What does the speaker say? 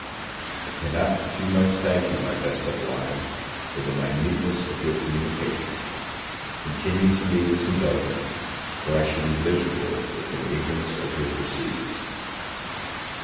I cannot too much thank you, my best Evelina, for the minuteness of your communications. Continue to me this indulgence, for I should be miserable if in ignorance of your proceedings.